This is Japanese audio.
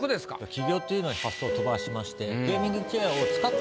「起業」っていうのに発想飛ばしまして。